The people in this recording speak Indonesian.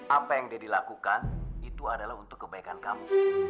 apa yang daddy lakukan itu adalah untuk kebaikan kamu